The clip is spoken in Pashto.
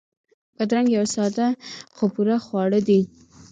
بادرنګ یو ساده خو پوره خواړه دي.